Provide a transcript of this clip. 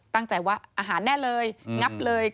ตั้งใจว่าอาหารแน่เลยงับเลย